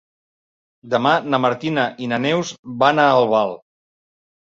Demà na Martina i na Neus van a Albal.